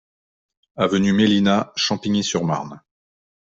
Avenue Mélina, Champigny-sur-Marne